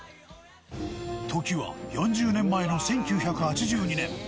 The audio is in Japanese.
時は４０年前の１９８２年。